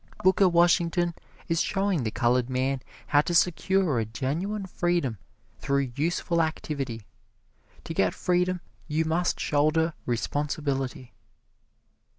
Booker Washington is showing the colored man how to secure a genuine freedom through useful activity. To get freedom you must shoulder responsibility.